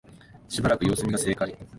しばらく様子見が正解